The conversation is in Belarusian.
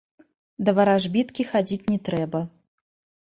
Да варажбіткі хадзіць не трэба.